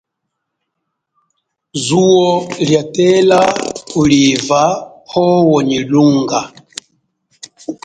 Zuwo lia tela kuliva pwowo nyi lunga.